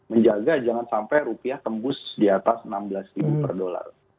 menjaga jangan sampai rupiah tembus di atas enam belas per dolar